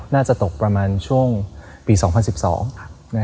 น่าจะตกประมาณช่วงปี๒๐๑๒